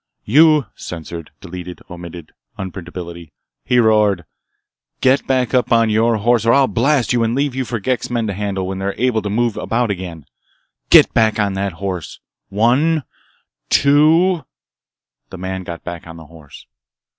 "You (censored)—(deleted)—(omitted)—(unprintability)", he roared. "Get back up on your horse or I blast you and leave you for Ghek's men to handle when they're able to move about again! Get back on that horse! One—two—" The man got back on the horse.